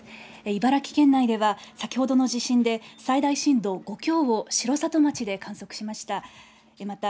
茨城県内では先ほどの地震で、最大震度５強を城里町で観測しました。